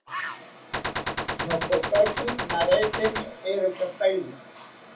Nopokaki naretemi erokapaeni